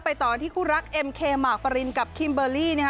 ไปต่อที่คู่รักเอ็มเคหมากปะรินกับคิมเบอร์รี่